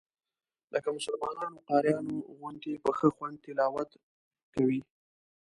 لکه مسلمانانو قاریانو غوندې په ښه خوند تلاوت کوي.